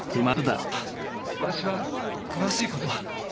あっ私は詳しいことは。